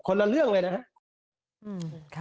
ละเรื่องเลยนะครับ